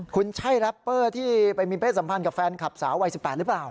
คุณใช่แรปเปอร์ที่ไปมีเพศสัมพันธ์กับแฟนคลับสาววัย๑๘หรือเปล่า